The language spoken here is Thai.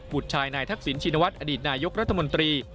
ชายนายทักษิณชินวัฒน์อดีตนายกรัฐมนตรี